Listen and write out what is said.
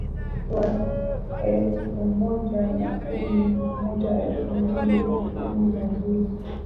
wa elfu moja na kumi na moja elfu mbili na kumi na mbili